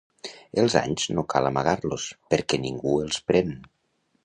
Els anys no cal amagar-los, perquè ningú no els pren.